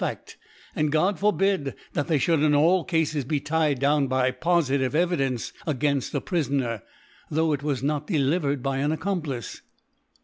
I 4 ^^^( J76) Faft ; and God forbid that they (hould in' all Cafes be tied down by pofitive Evi dence againft a Prifoner, though it was not delivered by an Accomplice.